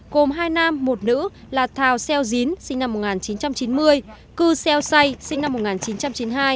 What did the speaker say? gồm hai nam một nữ là thào xeo dín sinh năm một nghìn chín trăm chín mươi cư xeo say sinh năm một nghìn chín trăm chín mươi hai